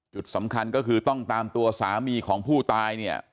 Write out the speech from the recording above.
จุดสำคัญก็คือต้องตามตัวสามีของผู้ตายเนี่ย